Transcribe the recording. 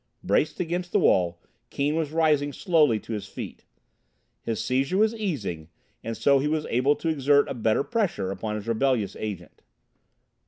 Braced against the wall, Keane was rising slowly to his feet. His seizure was easing, and so he was able to exert a better pressure upon his rebellious Agent.